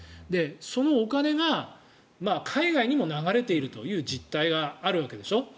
そのお金が海外にも流れているという実態があるわけでしょ。